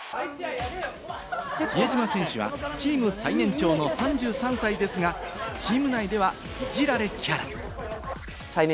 比江島選手がチーム最年長の３３歳ですが、チーム内では、いじられキャラ。